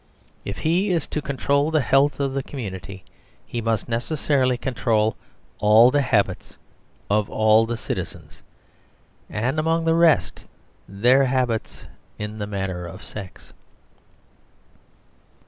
If he is to control the health of the community, he must necessarily control all the habits of all the citizens, and among the rest their habits in the matter of sex.